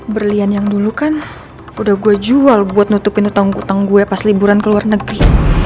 berlian yang dulu kan udah gue jual buat nutupin utang utang gue pas liburan ke luar negeri